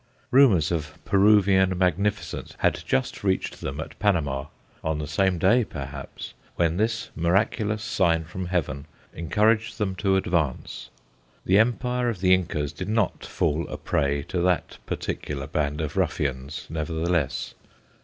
Rumours of Peruvian magnificence had just reached them at Panama on the same day, perhaps when this miraculous sign from heaven encouraged them to advance. The empire of the Incas did not fall a prey to that particular band of ruffians, nevertheless.